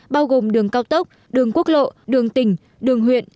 bao gồm đường cao tốc đường quốc lộ đường tỉnh đường huyện